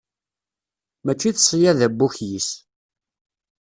Mačči d ṣyada n wukyis.